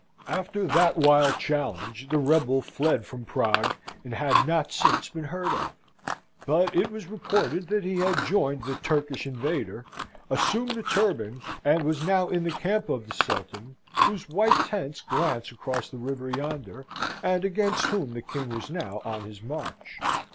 After that wild challenge the rebel fled from Prague, and had not since been heard of; but it was reported that he had joined the Turkish invader, assumed the turban, and was now in the camp of the Sultan, whose white tents glance across the river yonder, and against whom the King was now on his march.